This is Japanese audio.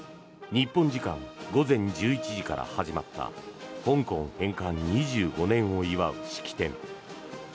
日本時間午前１１時から始まった香港返還２５年を祝う式典。